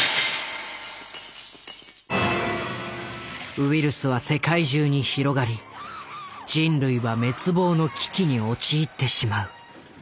ウイルスは世界中に広がり人類は滅亡の危機に陥ってしまう。